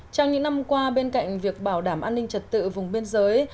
trong những năm qua bên cạnh việc bảo đảm an ninh trật tự vùng biên giới